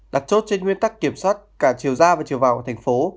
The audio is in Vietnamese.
đặt chốt trên nguyên tắc kiểm soát cả chiều ra và chiều vào của thành phố